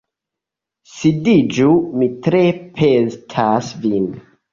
Sidiĝu, mi tre petas vin.